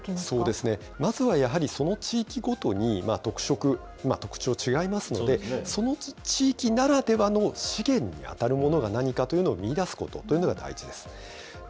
そうですね、まずはやはり、その地域ごとに、特色、特徴、違いますので、その地域ならではの資源に当たるものが何かというのを見いだすことというのが大事です。